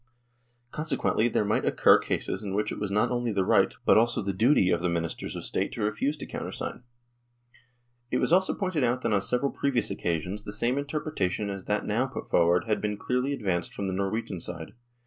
Conse quently there might occur cases in which it was not only the right, but also the duty, of the Ministers of State to refuse to countersign. THE DISSOLUTION OF THE UNION 103 It was also pointed out that on several previous occasions the same interpretation as that now put forward had been clearly advanced from the Norwegian side.